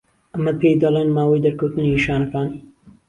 ئەمە پێی دەڵێن ماوەی دەرکەوتنی نیشانەکان.